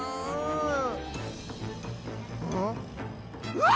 うわ！